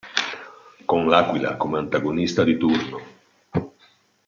Con l'Aquila come antagonista di turno.